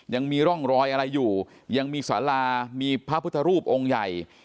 ยังมีร่องรอยอะไรอยู่ยังมีสารามีพระพุทธรูปองค์ใหญ่